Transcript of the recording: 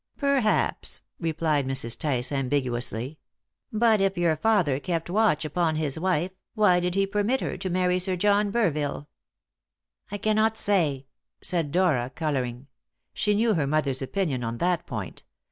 "Perhaps," replied Mrs. Tice ambiguously; "but if your father kept watch upon his wife, why did he permit her to marry Sir John Burville?" "I cannot say," said Dora, colouring; she knew her mother's opinion on that point.